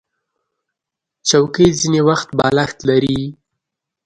چوکۍ ځینې وخت بالښت لري.